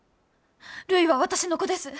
るいは私の子です。